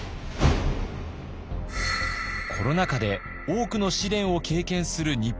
コロナ禍で多くの試練を経験する日本。